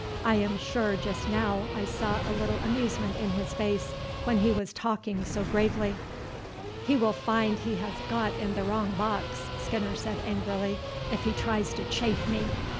I am sure just now I saw a little amusement in his face when he was talking so gravely." "He will find he has got in the wrong box," Skinner said angrily, "if he tries to chaff me."